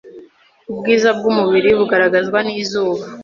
Ubwiza bw'umubiri bugaragazwa n'izuba